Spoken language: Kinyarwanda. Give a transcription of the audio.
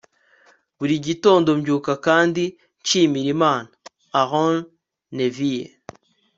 buri gitondo mbyuka kandi nshimira imana. - aaron neville